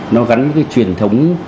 nó gắn với truyền thống